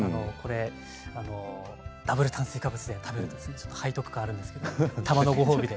ダブル炭水化物で食べる背徳感があるんですけどたまのご褒美で。